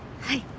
はい。